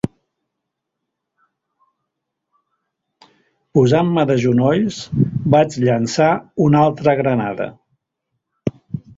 Posant-me de genolls, vaig llançar una altra granada